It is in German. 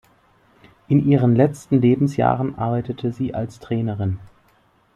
In ihren letzten Lebensjahren arbeitete sie als Trainerin.